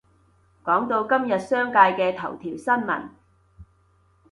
講到今日商界嘅頭條新聞